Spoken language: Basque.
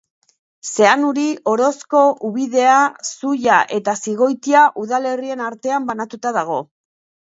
Zeanuri, Orozko, Ubidea, Zuia eta Zigoitia udalerrien artean banatuta dago.